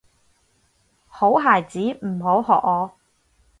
好孩子唔好學我